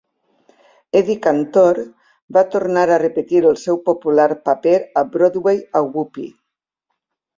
Eddie Cantor va tornar a repetir el seu popular paper a Broadway a Whoopee!